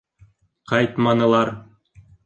Ҡайтманылар.